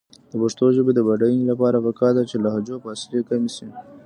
د پښتو ژبې د بډاینې لپاره پکار ده چې لهجو فاصلې کمې شي.